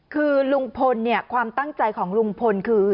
คือลุงพลเนี่ยความตั้งใจของลุงพลคือ